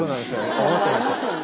そう思ってました。